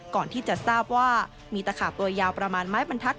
ก่อนที่จะทราบว่ามีตะขาบตัวยาวประมาณไม้บรรทัศน